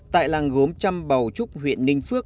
tại làng gốm trăm bào trúc huyện ninh phước